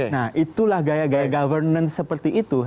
nah itulah gaya gaya governance seperti itu